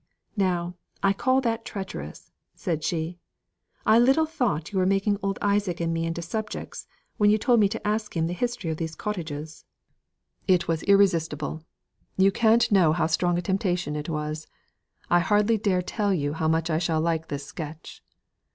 "Now, I call that treacherous," said she. "I little thought that you were making old Isaac and me into subjects, when you told me to ask him the history of these cottages." "It was irresistible. You can't know how strong a temptation it was. I hardly dare tell you how much I shall like this sketch."